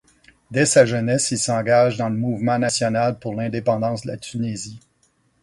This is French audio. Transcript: Dès sa jeunesse, il s'engage dans le mouvement national pour l'indépendance de la Tunisie.